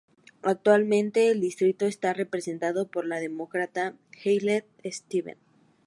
Actualmente el distrito está representado por la Demócrata Haley Stevens.